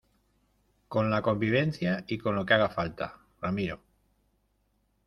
con la convivencia y con lo que haga falta, Ramiro.